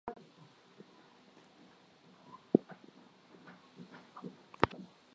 Yesu kwa kumweka nje ya mazingira ya Kiyahudi Dini hizo mbili zilitengana